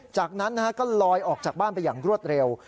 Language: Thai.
จากนั้นก็ลอยออกจากบ้านไปอย่างรวดเร็ว